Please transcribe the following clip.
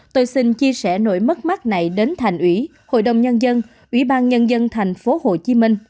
tôi xin chia sẻ nỗi mất mát này đến thành ủy hội đồng nhân dân ủy ban nhân dân tp hcm